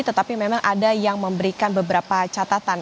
tetapi memang ada yang memberikan beberapa catatan